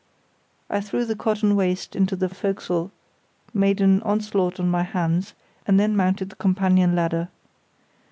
I threw the cotton waste into the fo'c'sle, made an onslaught on my hands, and then mounted the companion ladder.